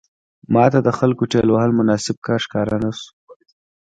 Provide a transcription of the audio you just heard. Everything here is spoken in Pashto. ماته د خلکو ټېل وهل مناسب کار ښکاره نه شو.